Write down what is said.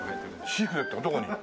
シークレットどこに？